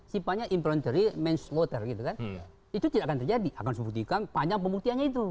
sifatnya impronteri men slaughter itu tidak akan terjadi